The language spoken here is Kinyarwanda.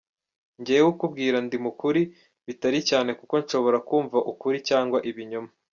Jyewe ukubwira ndimukuru bitari cyane kuko nshobora kumva ukuri cyangwa ibinyoma.